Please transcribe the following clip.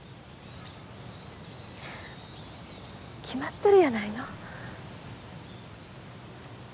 決まっとるやないの。